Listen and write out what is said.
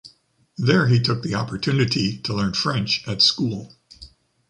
There he took the opportunity to learn French at school.